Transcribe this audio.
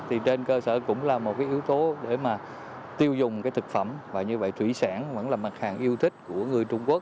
thì trên cơ sở cũng là một cái yếu tố để mà tiêu dùng cái thực phẩm và như vậy thủy sản vẫn là mặt hàng yêu thích của người trung quốc